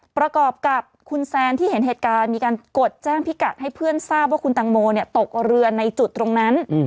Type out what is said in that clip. ประกอบกับคุณแซนที่เห็นเหตุการณ์มีการกดแจ้งพิกัดให้เพื่อนทราบว่าคุณตังโมตกเรือในจุดตรงนั้น